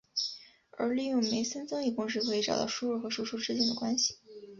而利用梅森增益公式可以找到输入和输出之间的关系。